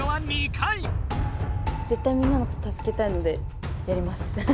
ぜったいみんなのこと助けたいのでやります。